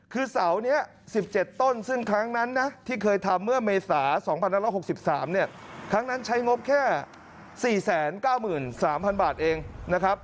คือเสานี้๑๗ต้นซึ่งครั้งนั้นนะที่เคยทำเมื่อเมษา๒๑๖๓เนี่ยครั้งนั้นใช้งบแค่๔๙๓๐๐บาทเองนะครับ